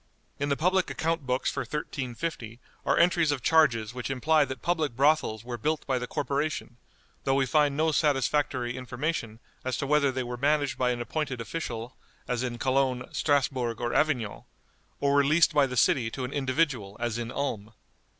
In the public account books for 1350 are entries of charges which imply that public brothels were built by the corporation, though we find no satisfactory information as to whether they were managed by an appointed official as in Cologne, Strasbourg, or Avignon, or were leased by the city to an individual as in Ulm.